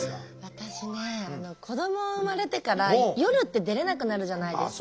私ね子ども生まれてから夜って出れなくなるじゃないですか。